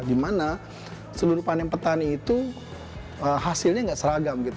di mana seluruh panen petani itu hasilnya tidak seragam